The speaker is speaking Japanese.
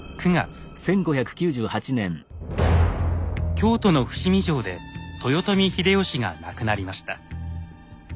京都の伏見城で豊臣秀吉が亡くなりました。